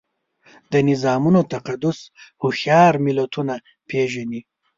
د نظامونو تقدس هوښیار ملتونه پېژني.